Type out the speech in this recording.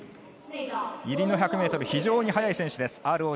入りの１００ｍ、非常に速い選手です。